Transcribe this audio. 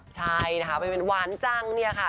ใช่นะคะไปเป็นหวานจังเนี่ยค่ะ